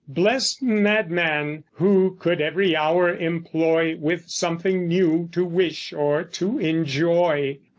Blest madman, who could every hour employ With something new to wish or to enjoy!